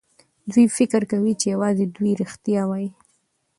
دوی فکر کوي چې يوازې دوی رښتيا وايي.